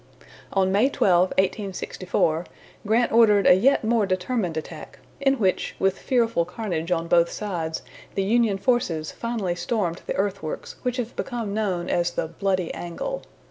On May 12, 1864, Grant ordered a yet more determined attack, in which, with fearful carnage on both sides, the Union forces finally stormed the earthworks which have become known as the "bloody angle."